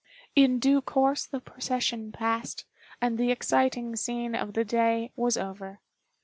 In due course the procession passed, and the exciting scene of the day was over.